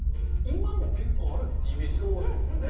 今も結構あるっていうイメーそうですね。